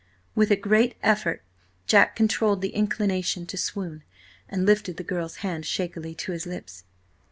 With a great effort Jack controlled the inclination to swoon, and lifted the girl's hand shakily to his lips.